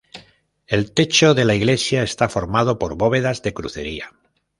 El techo de la iglesia está formado por bóvedas de crucería.